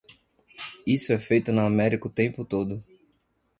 Isso é feito na América o tempo todo.